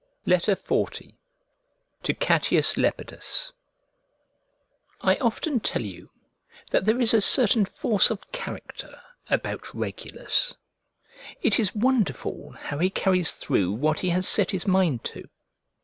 Farewell. XL To CATIUS LEPIDUS I OFTEN tell you that there is a certain force of character about Regulus: it is wonderful how he carries through what he has set his mind to.